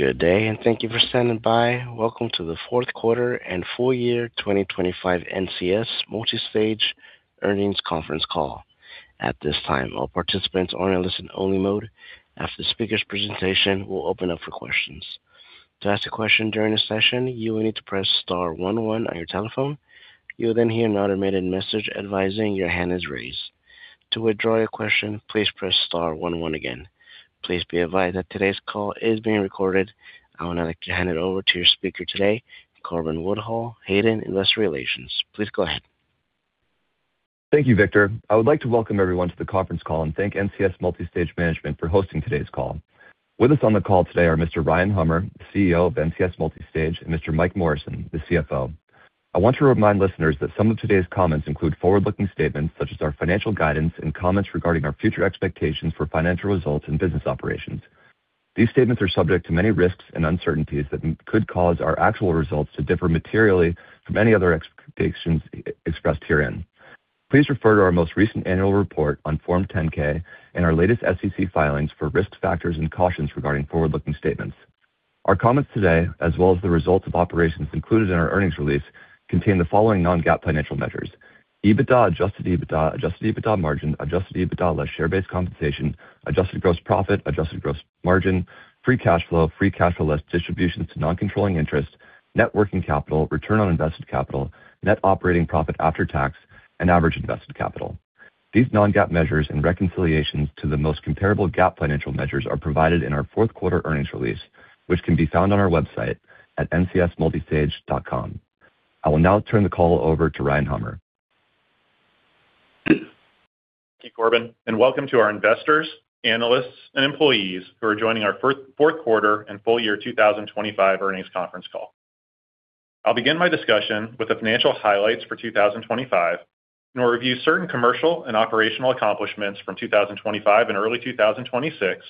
Good day, thank you for standing by. Welcome to the fourth quarter and full year 2025 NCS Multistage earnings conference call. At this time, all participants are in a listen only mode. After the speaker's presentation, we'll open up for questions. To ask a question during this session, you will need to press star one one on your telephone. You'll then hear an automated message advising your hand is raised. To withdraw your question, please press star one one again. Please be advised that today's call is being recorded. I would now like to hand it over to your speaker today, Corbin Woodhull, Hayden Investor Relations. Please go ahead. Thank you, Victor. I would like to welcome everyone to the conference call and thank NCS Multistage management for hosting today's call. With us on the call today are Mr. Ryan Hummer, the CEO of NCS Multistage, and Mr. Mike Morrison, the CFO. I want to remind listeners that some of today's comments include forward-looking statements such as our financial guidance and comments regarding our future expectations for financial results and business operations. These statements are subject to many risks and uncertainties that could cause our actual results to differ materially from any other expectations expressed herein. Please refer to our most recent annual report on Form 10-K and our latest SEC filings for risk factors and cautions regarding forward-looking statements. Our comments today, as well as the results of operations included in our earnings release, contain the following non-GAAP financial measures: EBITDA, adjusted EBITDA, adjusted EBITDA margin, adjusted EBITDA less share-based compensation, adjusted gross profit, adjusted gross margin, free cash flow, free cash less distributions to non-controlling interest, net working capital, Return on Invested Capital, Net Operating Profit After Tax, and average invested capital. These non-GAAP measures and reconciliations to the most comparable GAAP financial measures are provided in our fourth quarter earnings release, which can be found on our website at ncsmultistage.com. I will now turn the call over to Ryan Hummer. Thank you, Corbin, and welcome to [our investors, analysts and employees for joining] our fourth quarter and full year 2025 earnings conference call. I'll begin my discussion with the financial highlights for 2025 and we'll review certain commercial and operational accomplishments from 2025 and early 2026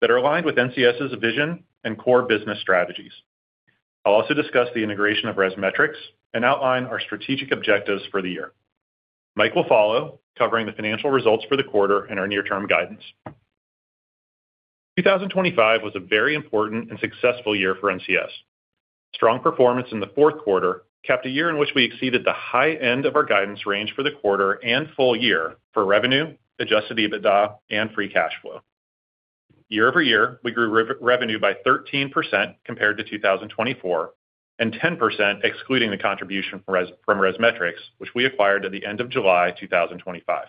that are aligned with NCS's vision and core business strategies. I'll also discuss the integration of ResMetrics and outline our strategic objectives for the year. Mike will follow, covering the financial results for the quarter and our near-term guidance. 2025 was a very important and successful year for NCS. Strong performance in the fourth quarter capped a year in which we exceeded the high end of our guidance range for the quarter and full year for revenue, adjusted EBITDA, and free cash flow. Year-over-year, we grew revenue by 13% compared to 2024, and 10% excluding the contribution from ResMetrics, which we acquired at the end of July 2025.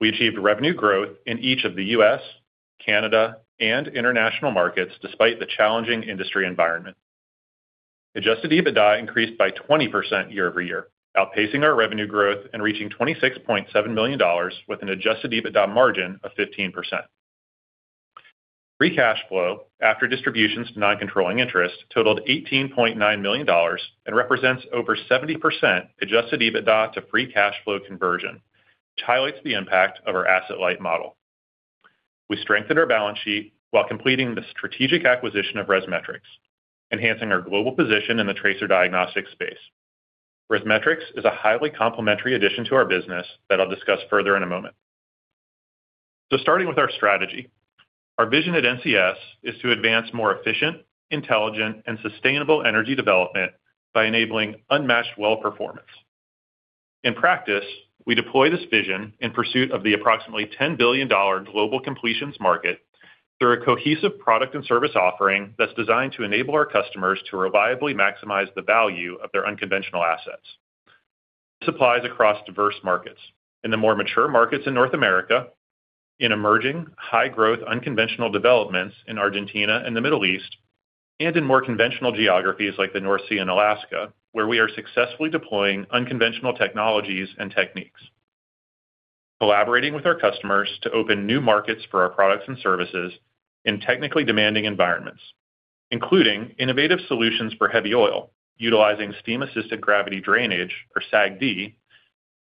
We achieved revenue growth in each of the U.S., Canada, and international markets despite the challenging industry environment. Adjusted EBITDA increased by 20% year-over-year, outpacing our revenue growth and reaching $26.7 million with an adjusted EBITDA margin of 15%. Free cash flow after distributions to non-controlling interest totaled $18.9 million and represents over 70% adjusted EBITDA to free cash flow conversion, which highlights the impact of our asset-light model. We strengthened our balance sheet while completing the strategic acquisition of ResMetrics, enhancing our global position in the tracer diagnostic space. ResMetrics is a highly complementary addition to our business that I'll discuss further in a moment. Starting with our strategy, our vision at NCS is to advance more efficient, intelligent, and sustainable energy development by enabling unmatched well performance. In practice, we deploy this vision in pursuit of the approximately $10 billion global completions market through a cohesive product and service offering that's designed to enable our customers to reliably maximize the value of their unconventional assets. Supplies across diverse markets. In the more mature markets in North America, in emerging high-growth unconventional developments in Argentina and the Middle East, and in more conventional geographies like the North Sea and Alaska, where we are successfully deploying unconventional technologies and techniques. Collaborating with our customers to open new markets for our products and services in technically demanding environments, including innovative solutions for heavy oil, utilizing steam assisted gravity drainage or SAGD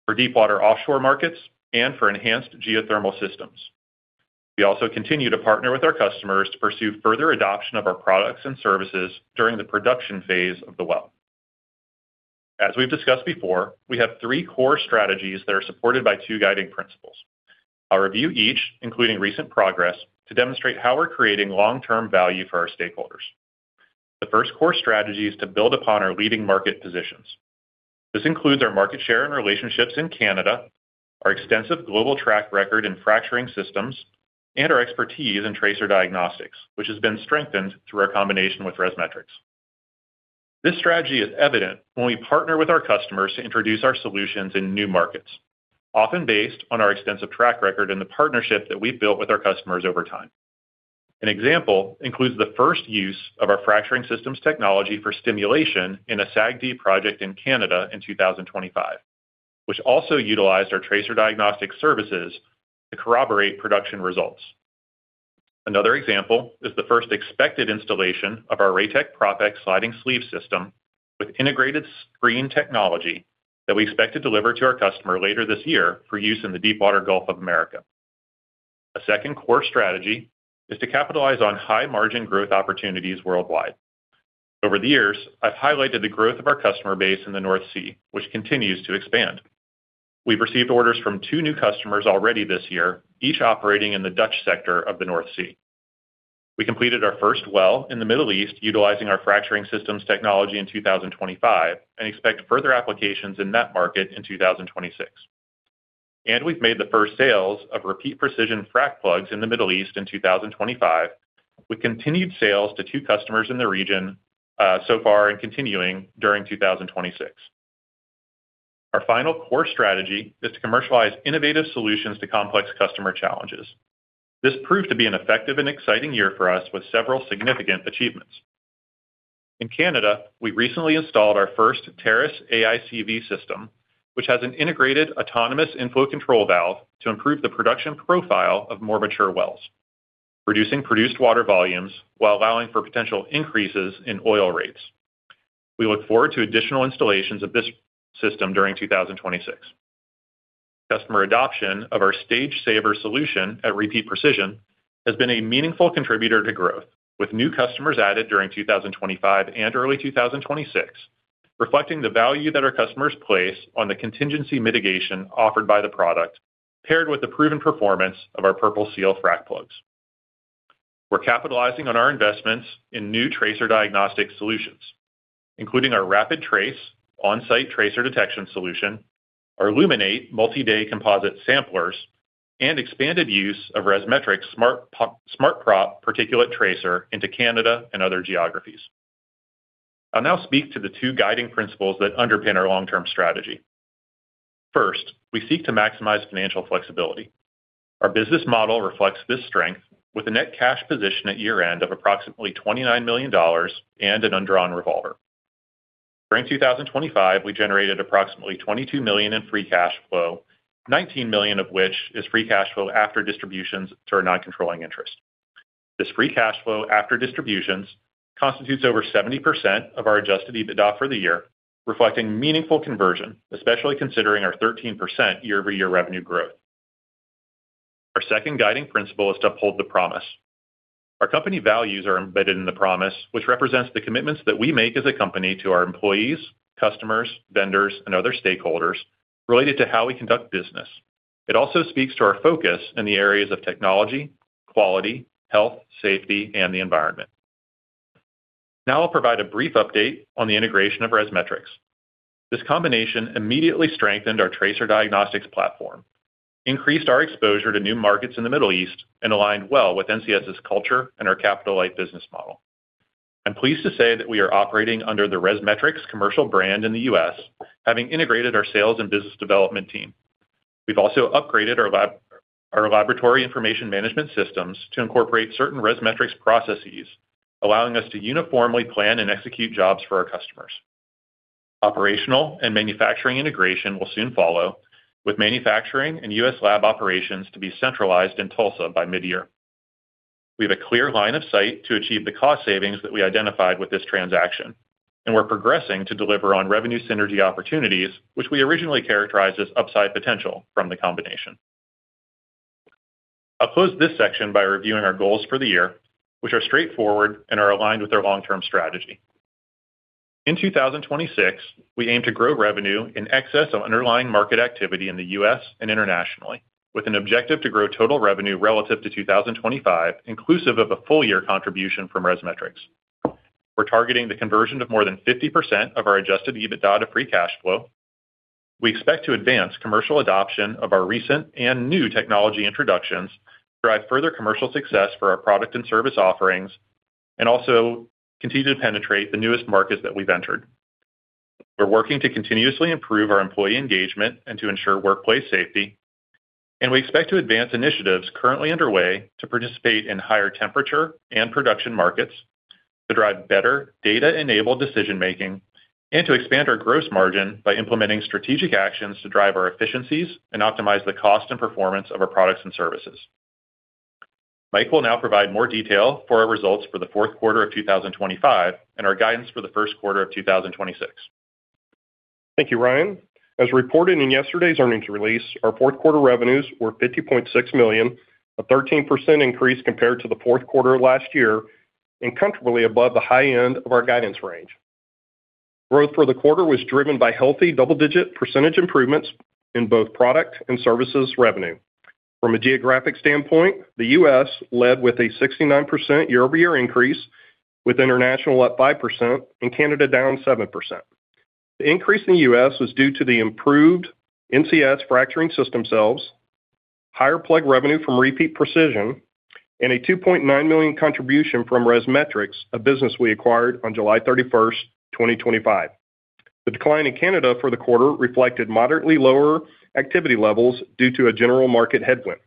for deepwater offshore markets and for enhanced geothermal systems. We also continue to partner with our customers to pursue further adoption of our products and services during the production phase of the well. As we've discussed before, we have three core strategies that are supported by two guiding principles. I'll review each, including recent progress, to demonstrate how we're creating long-term value for our stakeholders. The first core strategy is to build upon our leading market positions. This includes our market share and relationships in Canada, our extensive global track record in fracturing systems, and our expertise in tracer diagnostics, which has been strengthened through our combination with ResMetrics. This strategy is evident when we partner with our customers to introduce our solutions in new markets, often based on our extensive track record and the partnership that we've built with our customers over time. An example includes the first use of our fracturing systems technology for stimulation in a SAGD project in Canada in 2025, which also utilized our tracer diagnostics services to corroborate production results. Another example is the first expected installation of our Ratek Proppex sliding sleeve system with integrated screen technology that we expect to deliver to our customer later this year for use in the deepwater Gulf of America. A second core strategy is to capitalize on high margin growth opportunities worldwide. Over the years, I've highlighted the growth of our customer base in the North Sea, which continues to expand. We've received orders from two new customers already this year, each operating in the Dutch sector of the North Sea. We completed our first well in the Middle East utilizing our fracturing systems technology in 2025. We expect further applications in that market in 2026. We've made the first sales of Repeat Precision frac plugs in the Middle East in 2025, with continued sales to two customers in the region so far and continuing during 2026. Our final core strategy is to commercialize innovative solutions to complex customer challenges. This proved to be an effective and exciting year for us with several significant achievements. In Canada, we recently installed our first ATRS AICV system, which has an integrated autonomous inflow control valve to improve the production profile of more mature wells, reducing produced water volumes while allowing for potential increases in oil rates. We look forward to additional installations of this system during 2026. Customer adoption of our StageSaver solution at Repeat Precision has been a meaningful contributor to growth, with new customers added during 2025 and early 2026, reflecting the value that our customers place on the contingency mitigation offered by the product, paired with the proven performance of our PurpleSeal frac plugs. We're capitalizing on our investments in new tracer diagnostic solutions, including our RapidTrace on-site tracer detection solution, our Lumen8 multi-day composite samplers, and expanded use of ResMetrics SmartProp particulate tracer into Canada and other geographies. I'll now speak to the two guiding principles that underpin our long-term strategy. First, we seek to maximize financial flexibility. Our business model reflects this strength with a net cash position at year-end of approximately $29 million and an undrawn revolver. During 2025, we generated approximately $22 million in free cash flow, $19 million of which is free cash flow after distributions to our non-controlling interest. This free cash flow after distributions constitutes over 70% of our adjusted EBITDA for the year, reflecting meaningful conversion, especially considering our 13% year-over-year revenue growth. Our second guiding principle is to uphold The Promise. Our company values are embedded in The Promise, which represents the commitments that we make as a company to our employees, customers, vendors, and other stakeholders related to how we conduct business. It also speaks to our focus in the areas of technology, quality, health, safety, and the environment. Now I'll provide a brief update on the integration of ResMetrics. This combination immediately strengthened our tracer diagnostics platform, increased our exposure to new markets in the Middle East, and aligned well with NCS's culture and our capital-light business model. I'm pleased to say that we are operating under the ResMetrics commercial brand in the U.S., having integrated our sales and business development team. We've also upgraded our laboratory information management systems to incorporate certain ResMetrics processes, allowing us to uniformly plan and execute jobs for our customers. Operational and manufacturing integration will soon follow, with manufacturing and U.S. lab operations to be centralized in Tulsa by mid-year. We have a clear line of sight to achieve the cost savings that we identified with this transaction, and we're progressing to deliver on revenue synergy opportunities, which we originally characterized as upside potential from the combination. I'll close this section by reviewing our goals for the year, which are straightforward and are aligned with our long-term strategy. In 2026, we aim to grow revenue in excess of underlying market activity in the U.S. and internationally, with an objective to grow total revenue relative to 2025, inclusive of a full year contribution from ResMetrics. We're targeting the conversion of more than 50% of our adjusted EBITDA to free cash flow. We expect to advance commercial adoption of our recent and new technology introductions, drive further commercial success for our product and service offerings, and also continue to penetrate the newest markets that we've entered. We're working to continuously improve our employee engagement and to ensure workplace safety, and we expect to advance initiatives currently underway to participate in higher temperature and production markets, to drive better data-enabled decision-making, and to expand our gross margin by implementing strategic actions to drive our efficiencies and optimize the cost and performance of our products and services. Mike will now provide more detail for our results for the fourth quarter of 2025 and our guidance for the first quarter of 2026. Thank you, Ryan. As reported in yesterday's earnings release, our fourth quarter revenues were $50.6 million, a 13% increase compared to the fourth quarter of last year and comfortably above the high end of our guidance range. Growth for the quarter was driven by healthy double-digit percentage improvements in both product and services revenue. From a geographic standpoint, the U.S. led with a 69% year-over-year increase, with international up 5% and Canada down 7%. The increase in the U.S. was due to the improved NCS fracturing system sales, higher plug revenue from Repeat Precision, and a $2.9 million contribution from ResMetrics, a business we acquired on July 31st, 2025. The decline in Canada for the quarter reflected moderately lower activity levels due to a general market headwind.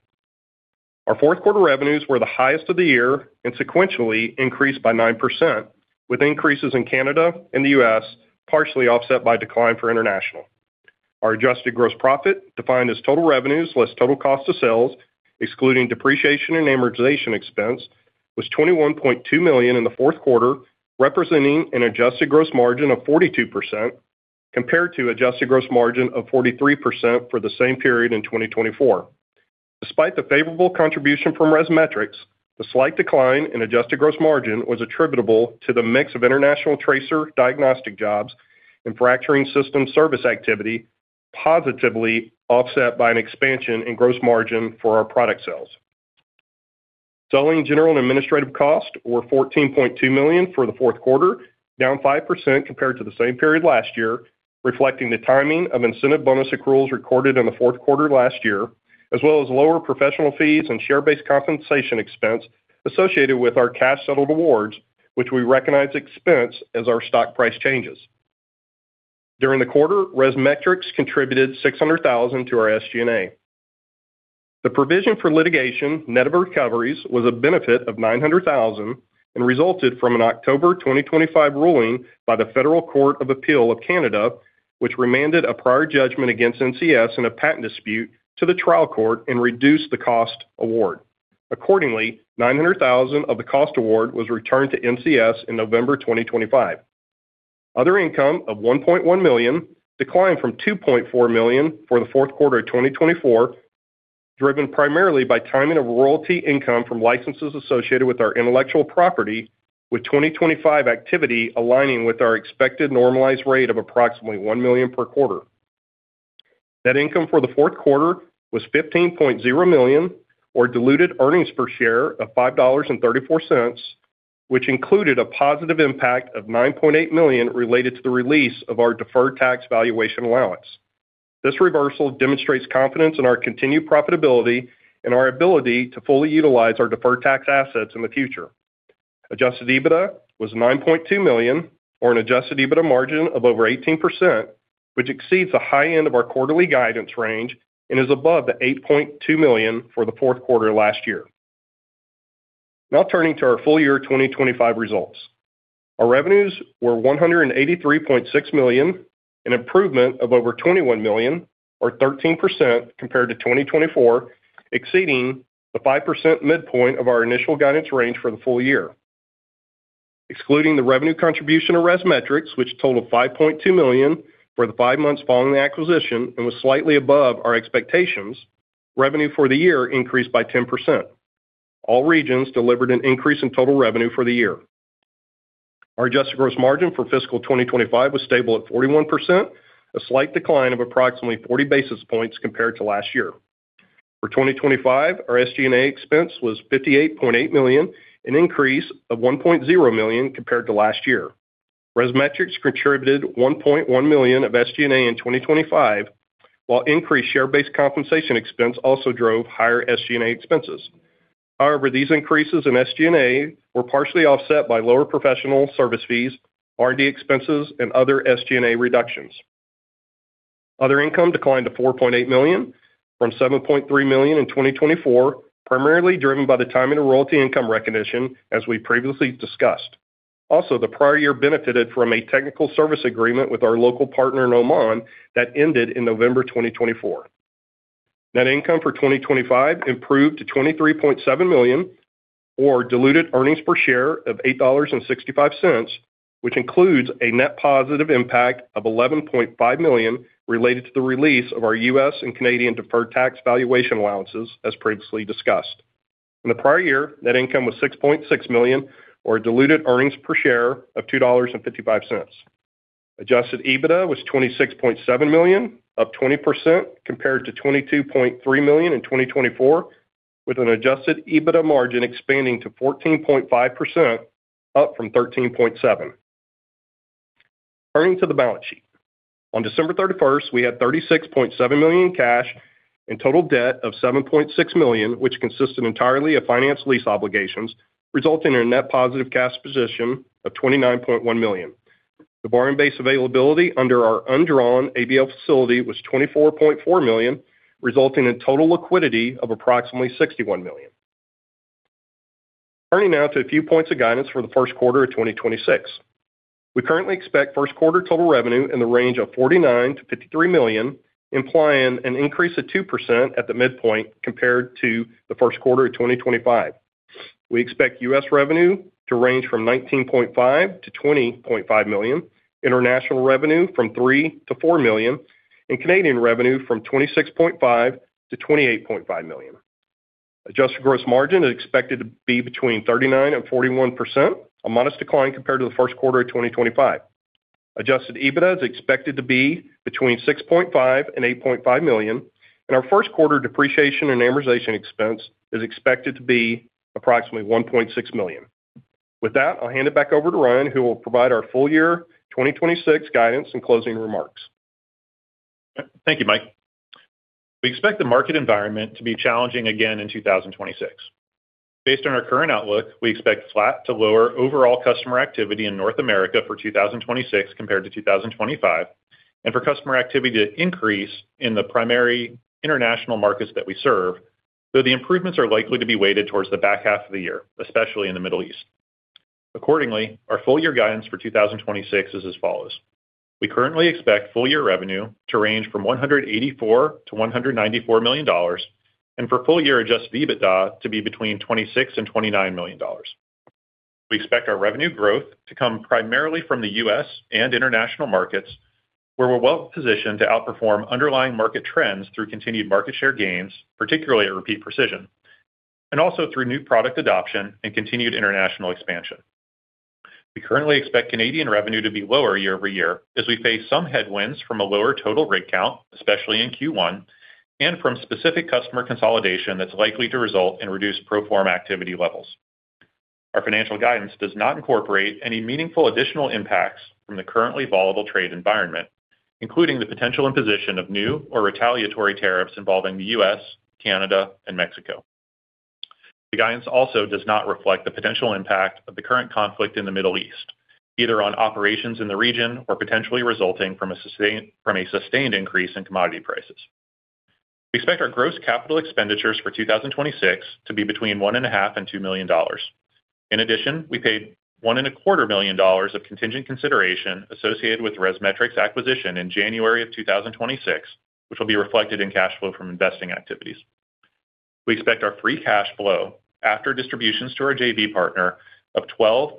Our fourth quarter revenues were the highest of the year and sequentially increased by 9%, with increases in Canada and the U.S. partially offset by decline for international. Our adjusted gross profit, defined as total revenues less total cost of sales, excluding depreciation and amortization expense, was $21.2 million in the fourth quarter, representing an adjusted gross margin of 42% compared to adjusted gross margin of 43% for the same period in 2024. Despite the favorable contribution from ResMetrics, the slight decline in adjusted gross margin was attributable to the mix of international tracer diagnostic jobs and fracturing system service activity, positively offset by an expansion in gross margin for our product sales. Selling, general, and administrative costs were $14.2 million for the fourth quarter, down 5% compared to the same period last year, reflecting the timing of incentive bonus accruals recorded in the fourth quarter last year, as well as lower professional fees and share-based compensation expense associated with our cash-settled awards, which we recognize expense as our stock price changes. During the quarter, ResMetrics contributed $600,000 to our SG&A. The provision for litigation net of recoveries was a benefit of $900,000 and resulted from an October 2025 ruling by the Federal Court of Appeal of Canada, which remanded a prior judgment against NCS in a patent dispute to the trial court and reduced the cost award. Accordingly, $900,000 of the cost award was returned to NCS in November 2025. Other income of $1.1 million declined from $2.4 million for the fourth quarter of 2024, driven primarily by timing of royalty income from licenses associated with our intellectual property, with 2025 activity aligning with our expected normalized rate of approximately $1 million per quarter. Net income for the fourth quarter was $15.0 million, or diluted earnings per share of $5.34, which included a positive impact of $9.8 million related to the release of our deferred tax valuation allowance. This reversal demonstrates confidence in our continued profitability and our ability to fully utilize our deferred tax assets in the future. Adjusted EBITDA was $9.2 million, or an adjusted EBITDA margin of over 18%, which exceeds the high end of our quarterly guidance range and is above the $8.2 million for the fourth quarter last year. Turning to our full year 2025 results. Our revenues were $183.6 million, an improvement of over $21 million, or 13% compared to 2024, exceeding the 5% midpoint of our initial guidance range for the full year. Excluding the revenue contribution of ResMetrics, which totaled $5.2 million for the five months following the acquisition and was slightly above our expectations, revenue for the year increased by 10%. All regions delivered an increase in total revenue for the year. Our adjusted gross margin for fiscal 2025 was stable at 41%, a slight decline of approximately 40 basis points compared to last year. For 2025, our SG&A expense was $58.8 million, an increase of $1.0 million compared to last year. ResMetrics contributed $1.1 million of SG&A in 2025, while increased share-based compensation expense also drove higher SG&A expenses. However, these increases in SG&A were partially offset by lower professional service fees, R&D expenses, and other SG&A reductions. Other income declined to $4.8 million, from $7.3 million in 2024, primarily driven by the timing of royalty income recognition, as we previously discussed. Also, the prior year benefited from a technical service agreement with our local partner in Oman that ended in November 2024. Net income for 2025 improved to $23.7 million, or diluted earnings per share of $8.65, which includes a net positive impact of $11.5 million related to the release of our U.S. and Canadian deferred tax valuation allowances, as previously discussed. In the prior year, net income was $6.6 million or diluted earnings per share of $2.55. Adjusted EBITDA was $26.7 million, up 20% compared to $22.3 million in 2024, with an adjusted EBITDA margin expanding to 14.5%, up from 13.7%. Turning to the balance sheet. On December 31st, we had $36.7 million in cash and total debt of $7.6 million, which consisted entirely of finance lease obligations, resulting in a net positive cash position of $29.1 million. The borrowing base availability under our undrawn ABL facility was $24.4 million, resulting in total liquidity of approximately $61 million. Turning now to a few points of guidance for the first quarter of 2026. We currently expect first quarter total revenue in the range of $49 million-$53 million, implying an increase of 2% at the midpoint compared to the first quarter of 2025. We expect U.S. revenue to range from $19.5 million-$20.5 million, international revenue from $3 million-$4 million, and Canadian revenue from $26.5 million-$28.5 million. Adjusted gross margin is expected to be between 39% and 41%, a modest decline compared to the first quarter of 2025. Adjusted EBITDA is expected to be between $6.5 million and $8.5 million, and our first quarter depreciation and amortization expense is expected to be approximately $1.6 million. With that, I'll hand it back over to Ryan, who will provide our full year 2026 guidance and closing remarks. Thank you, Mike. We expect the market environment to be challenging again in 2026. Based on our current outlook, we expect flat to lower overall customer activity in North America for 2026 compared to 2025, and for customer activity to increase in the primary international markets that we serve, though the improvements are likely to be weighted towards the back half of the year, especially in the Middle East. [Accordingly] our full-year guidance for 2026 is as follows: We currently expect full year revenue to range from $184 million-$194 million, and for full year adjusted EBITDA to be between $26 million and $29 million. We expect our revenue growth to come primarily from the U.S. and international markets, where we're well positioned to outperform underlying market trends through continued market share gains, particularly at Repeat Precision, and also through new product adoption and continued international expansion. We currently expect Canadian revenue to be lower year-over-year as we face some headwinds from a lower total rig count, especially in Q1, and from specific customer consolidation that's likely to result in reduced pro forma activity levels. Our financial guidance does not incorporate any meaningful additional impacts from the currently volatile trade environment, including the potential imposition of new or retaliatory tariffs involving the U.S., Canada, and Mexico. The guidance also does not reflect the potential impact of the current conflict in the Middle East, either on operations in the region or potentially resulting from a sustained increase in commodity prices. We expect our gross capital expenditures for 2026 to be between one and a half and $2 million. In addition, we paid one and a quarter million dollars of contingent consideration associated with ResMetrics acquisition in January of 2026, which will be reflected in cash flow from investing activities. We expect our free cash flow after distributions to our JV partner of $12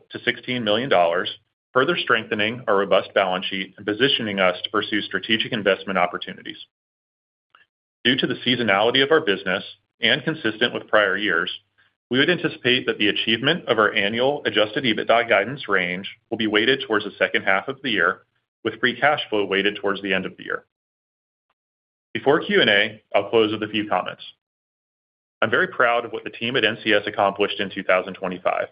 million-$16 million, further strengthening our robust balance sheet and positioning us to pursue strategic investment opportunities. Due to the seasonality of our business and consistent with prior years, we would anticipate that the achievement of our annual adjusted EBITDA guidance range will be weighted towards the second half of the year, with free cash flow weighted towards the end of the year. Before Q&A, I'll close with a few comments. I'm very proud of what the team at NCS accomplished in 2025.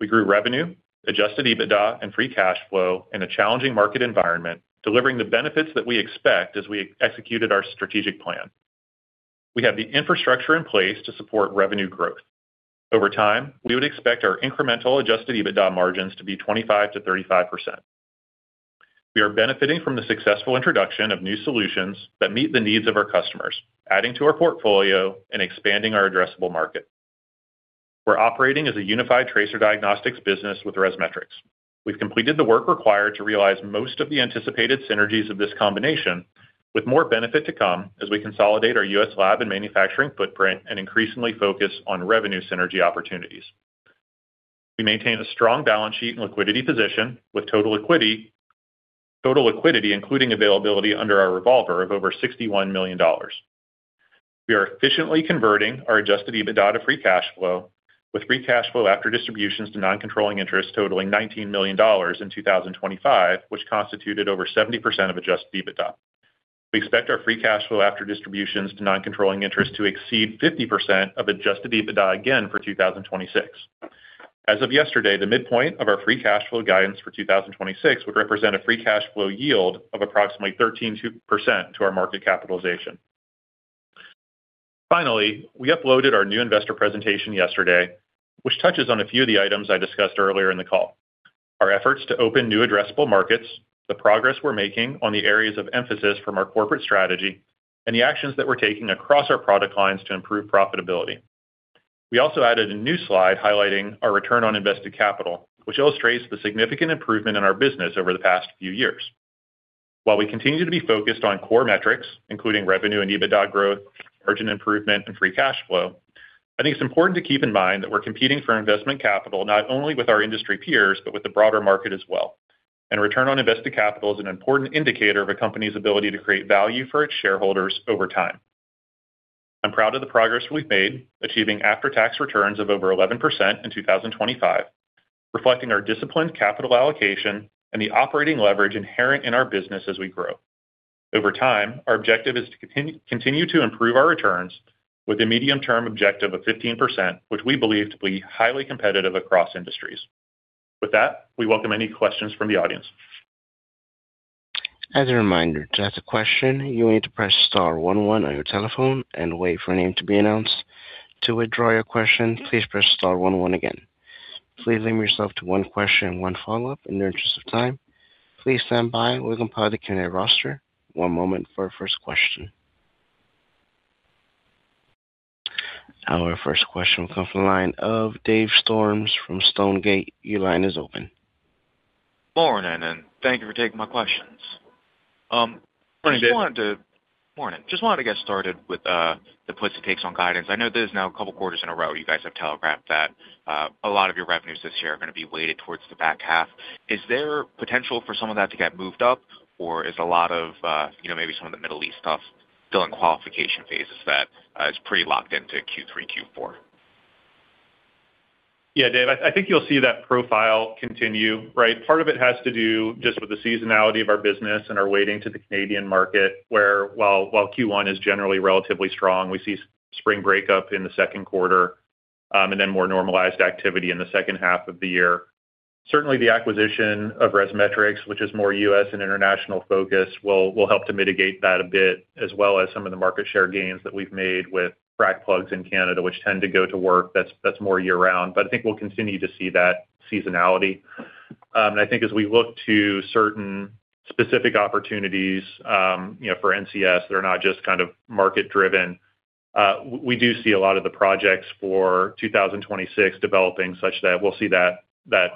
We grew revenue, adjusted EBITDA and free cash flow in a challenging market environment, delivering the benefits that we expect as we executed our strategic plan. We have the infrastructure in place to support revenue growth. Over time, we would expect our incremental adjusted EBITDA margins to be 25%-35%. We are benefiting from the successful introduction of new solutions that meet the needs of our customers, adding to our portfolio and expanding our addressable market. We're operating as a unified tracer diagnostics business with ResMetrics. We've completed the work required to realize most of the anticipated synergies of this combination, with more benefit to come as we consolidate our U.S. lab and manufacturing footprint and increasingly focus on revenue synergy opportunities. We maintain a strong balance sheet and liquidity position with total equity, total liquidity, including availability under our revolver of over $61 million. We are efficiently converting our adjusted EBITDA to free cash flow, with free cash flow after distributions to non-controlling interests totaling $19 million in 2025, which constituted over 70% of adjusted EBITDA. We expect our free cash flow after distributions to non-controlling interests to exceed 50% of adjusted EBITDA again for 2026. As of yesterday, the midpoint of our free cash flow guidance for 2026 would represent a free cash flow yield of approximately 13% to our market capitalization. Finally, we uploaded our new investor presentation yesterday, which touches on a few of the items I discussed earlier in the call. Our efforts to open new addressable markets, the progress we're making on the areas of emphasis from our corporate strategy, and the actions that we're taking across our product lines to improve profitability. We also added a new slide highlighting our Return on Invested Capital, which illustrates the significant improvement in our business over the past few years. While we continue to be focused on core metrics, including revenue and EBITDA growth, margin improvement, and free cash flow, I think it's important to keep in mind that we're competing for investment capital not only with our industry peers, but with the broader market as well. Return on Invested Capital is an important indicator of a company's ability to create value for its shareholders over time. I'm proud of the progress we've made, achieving after-tax returns of over 11% in 2025, reflecting our disciplined capital allocation and the operating leverage inherent in our business as we grow. Over time, our objective is to continue to improve our returns with a medium-term objective of 15%, which we believe to be highly competitive across industries. With that, we welcome any questions from the audience. As a reminder, to ask a question, you need to press star one one on your telephone and wait for a name to be announced. To withdraw your question, please press star one one again. Please limit yourself to one question and one follow-up in the interest of time. Please stand by. We're compiling the candidate roster. One moment for our first question. Our first question will come from the line of Dave Storms from Stonegate. Your line is open. Morning, and thank you for taking my questions. Morning, Dave. Morning. Just wanted to get started with the puts and takes on guidance. I know this is now a couple of quarters in a row you guys have telegraphed that a lot of your revenues this year are going to be weighted towards the back half. Is there potential for some of that to get moved up? Is a lot of, you know, maybe some of the Middle East stuff still in qualification phases that is pretty locked into Q3, Q4? Yeah, Dave, I think you'll see that profile continue, right? Part of it has to do just with the seasonality of our business and our weighting to the Canadian market, where while Q1 is generally relatively strong, we see spring break-up in the second quarter, and then more normalized activity in the second half of the year. Certainly, the acquisition of ResMetrics, which is more U.S. and international focus, will help to mitigate that a bit, as well as some of the market share gains that we've made with frac plugs in Canada, which tend to go to work that's more year-round. I think we'll continue to see that seasonality. I think as we look to certain specific opportunities, you know, for NCS that are not just kind of market-driven, we do see a lot of the projects for 2026 developing such that we'll see that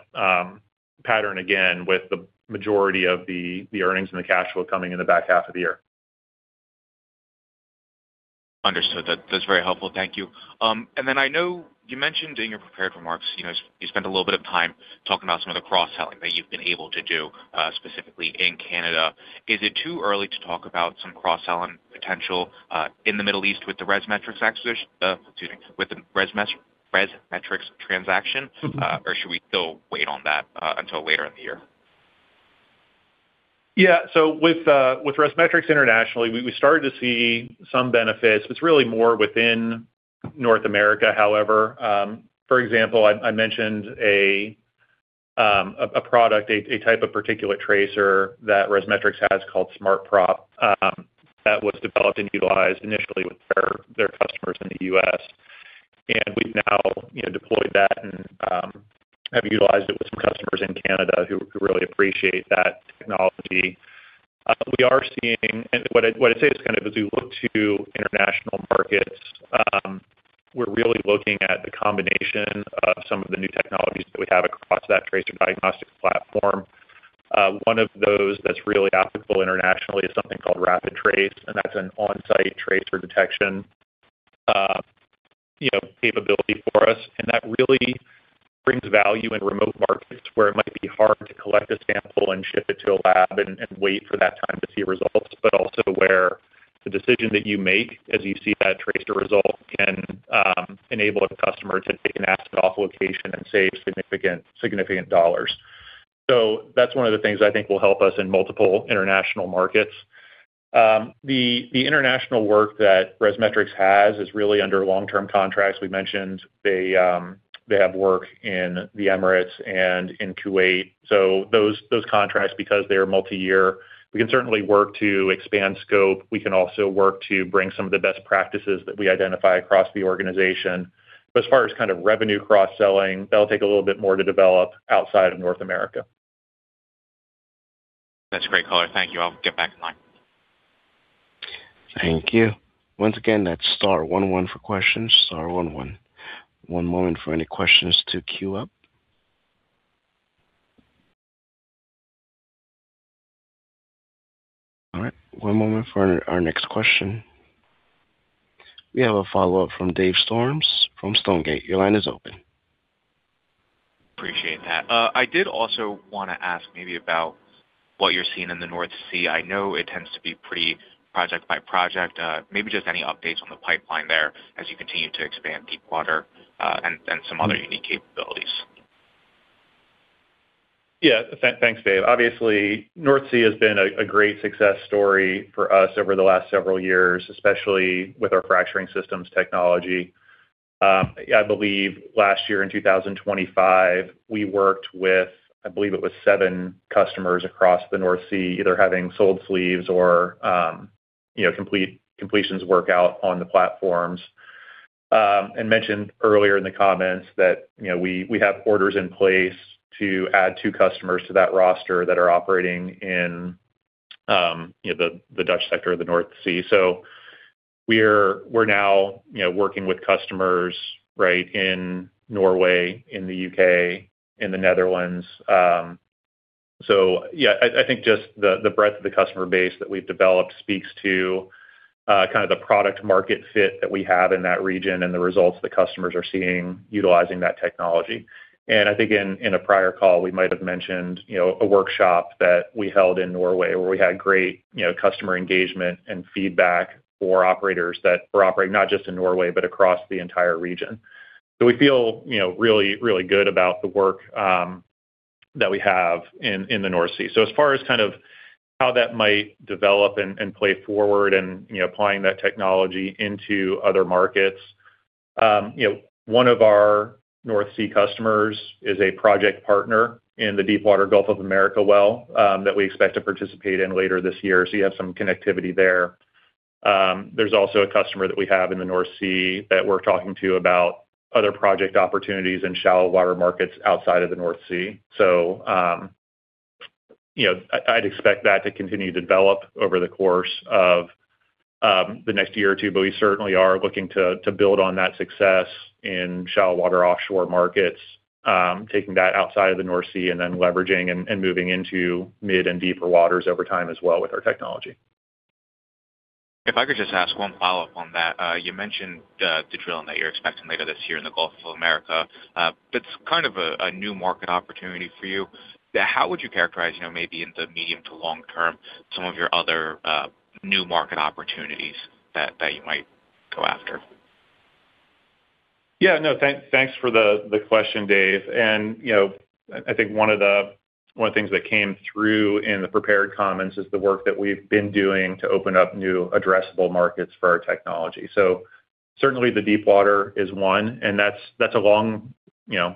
pattern again with the majority of the earnings and the cash flow coming in the back half of the year. Understood. That's very helpful. Thank you. I know you mentioned during your prepared remarks, you know, you spent a little bit of time talking about some of the cross-selling that you've been able to do, specifically in Canada. Is it too early to talk about some cross-selling potential in the Middle East with the ResMetrics transaction? Mm-hmm. Should we still wait on that until later in the year? Yeah. With ResMetrics internationally, we started to see some benefits. It's really more within North America, however. For example, I mentioned a product, a type of particulate tracer that ResMetrics has called SmartProp, that was developed and utilized initially with their customers in the U.S. We've now, you know, deployed that and have utilized it with some customers in Canada who really appreciate that technology. We are seeing... What I'd say is kind of as we look to international markets, we're really looking at the combination of some of the new technologies that we have across that tracer diagnostic platform. One of those that's really applicable internationally is something called RapidTrace. That's an on-site tracer detection, you know, capability for us. That really brings value in remote markets where it might be hard to collect a sample and ship it to a lab and wait for that time to see results, but also where the decision that you make as you see that tracer result can enable a customer to take an asset off location and save significant dollars. That's one of the things I think will help us in multiple international markets. The international work that ResMetrics has is really under long-term contracts. We mentioned they have work in the Emirates and in Kuwait. Those contracts, because they are multi-year, we can certainly work to expand scope. We can also work to bring some of the best practices that we identify across the organization. As far as kind of revenue cross-selling, that'll take a little bit more to develop outside of North America. That's great color. Thank you. I'll give back the line. Thank you. Once again, that's star one one for questions, star one one. One moment for any questions to queue up. All right, One moment for our next question. We have a follow-up from Dave Storms from Stonegate. Your line is open. Appreciate that. I did also wanna ask maybe about what you're seeing in the North Sea. I know it tends to be pretty project by project. Maybe just any updates on the pipeline there as you continue to expand deep water, and some other unique capabilities. Yeah. Thanks, Dave. Obviously, North Sea has been a great success story for us over the last several years, especially with our fracturing systems technology. I believe last year in 2025, we worked with, I believe it was seven customers across the North Sea, either having sold sleeves or, you know, completions work out on the platforms. Mentioned earlier in the comments that, you know, we have orders in place to add two customers to that roster that are operating in, you know, the Dutch sector of the North Sea. We're now, you know, working with customers right in Norway, in the U.K., in the Netherlands. Yeah, I think just the breadth of the customer base that we've developed speaks to kind of the product market fit that we have in that region and the results the customers are seeing utilizing that technology. I think in a prior call, we might have mentioned, you know, a workshop that we held in Norway, where we had great, you know, customer engagement and feedback for operators that were operating not just in Norway, but across the entire region. We feel, you know, really, really good about the work that we have in the North Sea. As far as kind of how that might develop and play forward and, you know, applying that technology into other markets, you know, one of our North Sea customers is a project partner in the Deepwater Gulf of America well, that we expect to participate in later this year. You have some connectivity there. There's also a customer that we have in the North Sea that we're talking to about other project opportunities in shallow water markets outside of the North Sea. you know, I'd expect that to continue to develop over the course of the next year or two, but we certainly are looking to build on that success in shallow water offshore markets, taking that outside of the North Sea and then leveraging and moving into mid and deeper waters over time as well with our technology. If I could just ask one follow-up on that. You mentioned the drilling that you're expecting later this year in the Gulf of America. That's kind of a new market opportunity for you. How would you characterize, you know, maybe in the medium to long term, some of your other new market opportunities that you might go after? Yeah. No, thanks for the question, Dave. You know, I think one of the things that came through in the prepared comments is the work that we've been doing to open up new addressable markets for our technology. Certainly, the deep water is one, and that's a long, you know,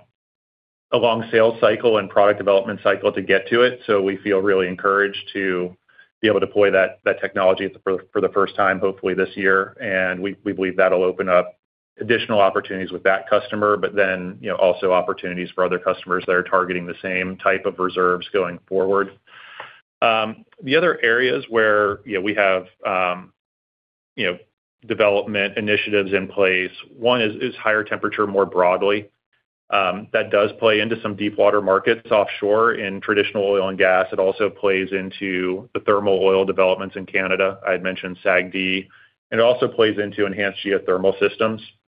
a long sales cycle and product development cycle to get to it. We feel really encouraged to be able to deploy that technology for the first time, hopefully this year. We believe that'll open up additional opportunities with that customer, you know, also opportunities for other customers that are targeting the same type of reserves going forward. The other areas where, you know, we have, you know, development initiatives in place, one is higher temperature more broadly. That does play into some deep water markets offshore in traditional oil and gas. It also plays into the thermal oil developments in Canada. I had mentioned SAGD. It also plays into enhanced geothermal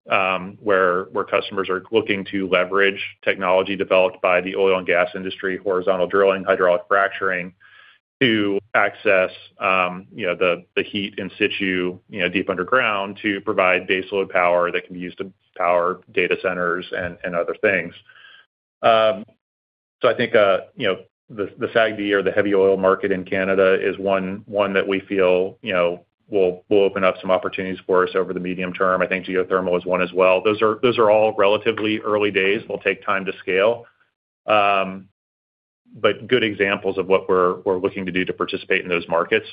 systems, where customers are looking to leverage technology developed by the oil and gas industry, horizontal drilling, hydraulic fracturing, to access, you know, the heat in situ, you know, deep underground to provide baseload power that can be used to power data centers and other things. I think, you know, the SAGD or the heavy oil market in Canada is one that we feel, you know, will open up some opportunities for us over the medium term. I think geothermal is one as well. Those are all relatively early days, will take time to scale. Good examples of what we're looking to do to participate in those markets.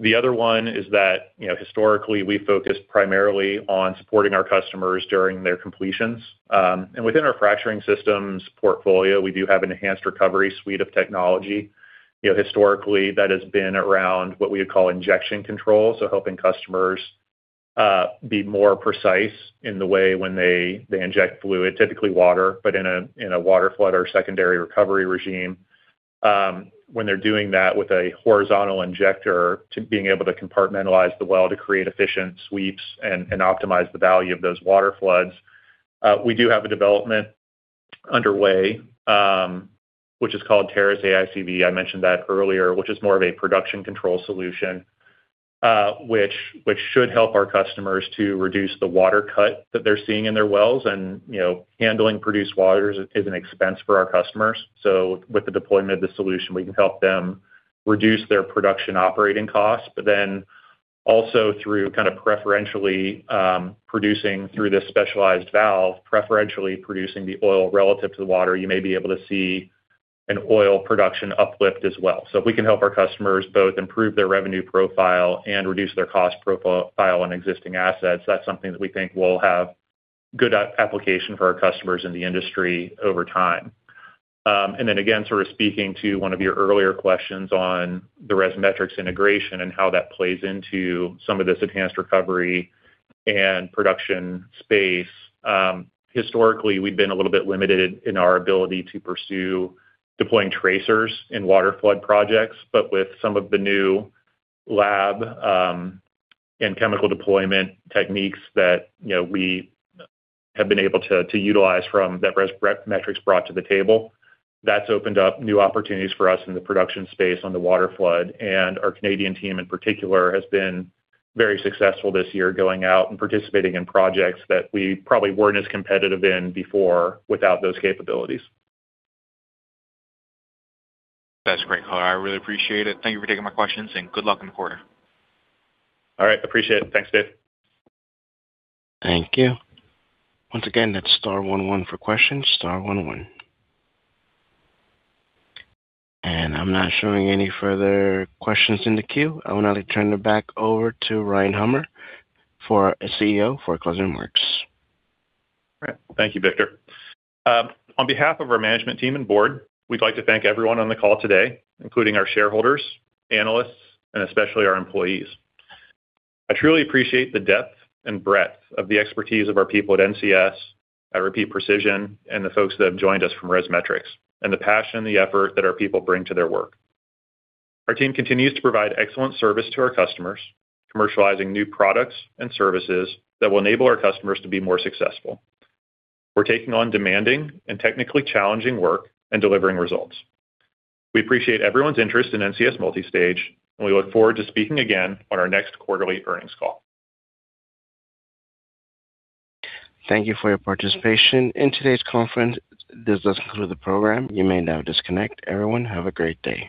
The other one is that, you know, historically, we focused primarily on supporting our customers during their completions. Within our fracturing systems portfolio, we do have an enhanced recovery suite of technology. You know, historically, that has been around what we would call injection control, so helping customers be more precise in the way when they inject fluid, typically water, but in a waterflood or secondary recovery regime. When they're doing that with a horizontal injector to being able to compartmentalize the well to create efficient sweeps and optimize the value of those waterfloods. We do have a development underway, which is called ATRS AICV, I mentioned that earlier, which is more of a production control solution, which should help our customers to reduce the water cut that they're seeing in their wells. You know, handling produced waters is an expense for our customers. With the deployment of the solution, we can help them reduce their production operating costs. Also through kind of preferentially, producing through this specialized valve, preferentially producing the oil relative to the water, you may be able to see an oil production uplift as well. If we can help our customers both improve their revenue profile and reduce their cost profile on existing assets, that's something that we think will have good application for our customers in the industry over time. Then again, sort of speaking to one of your earlier questions on the ResMetrics integration and how that plays into some of this enhanced recovery and production space. Historically, we've been a little bit limited in our ability to pursue deploying tracers in waterflood projects, but with some of the new lab and chemical deployment techniques that, you know, we have been able to utilize from that ResMetrics brought to the table, that's opened up new opportunities for us in the production space on the waterflood. Our Canadian team in particular has been very successful this year going out and participating in projects that we probably weren't as competitive in before without those capabilities. That's great color. I really appreciate it. Thank you for taking my questions. Good luck in the quarter. All right. Appreciate it. Thanks, Dave. Thank you. Once again, that's star one one for questions, star one one. I'm not showing any further questions in the queue. I would now like to turn it back over to Ryan Hummer CEO for closing remarks. All right. Thank you, Victor. On behalf of our management team and board, we'd like to thank everyone on the call today, including our shareholders, analysts, and especially our employees. I truly appreciate the depth and breadth of the expertise of our people at NCS, at Repeat Precision, and the folks that have joined us from ResMetrics, and the passion and the effort that our people bring to their work. Our team continues to provide excellent service to our customers, commercializing new products and services that will enable our customers to be more successful. We're taking on demanding and technically challenging work and delivering results. We appreciate everyone's interest in NCS Multistage, and we look forward to speaking again on our next quarterly earnings call. Thank you for your participation in today's conference. This does conclude the program. You may now disconnect. Everyone, have a great day.